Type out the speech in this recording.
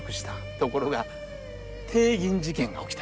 ところが帝銀事件が起きた。